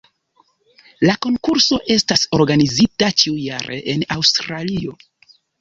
La konkurso estas organizita ĉiujare en Aŭstralio.